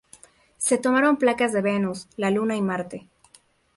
Se tomaron placas de Venus, la Luna y Marte.